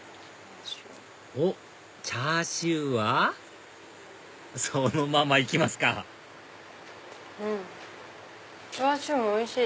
おっチャーシューはそのままいきますかうんチャーシューもおいしい。